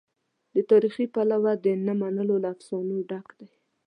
له تاریخي پلوه د نه منلو له افسانو ډک دی.